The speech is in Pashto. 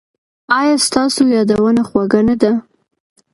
ایا ستاسو یادونه خوږه نه ده؟